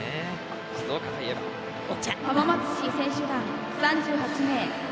浜松市選手団、３８名。